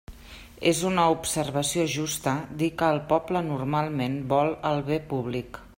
És una observació justa dir que el poble normalment vol el bé públic.